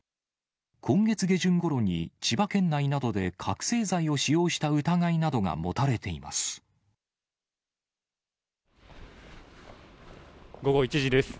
今月下旬ごろに、千葉県内などで覚醒剤を使用した疑いなどが持たれています。